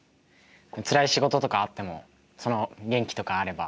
つらい仕事とかあってもその元気とかあれば頑張れそうですか？